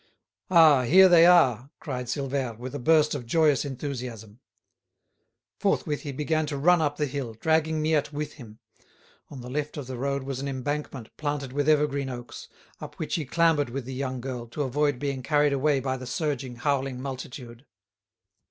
"Ah, here they are!" cried Silvère, with a burst of joyous enthusiasm. Forthwith he began to run up the hill, dragging Miette with him. On the left of the road was an embankment planted with evergreen oaks, up which he clambered with the young girl, to avoid being carried away by the surging, howling multitude.